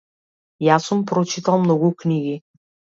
Јас сум прочитал многу книги.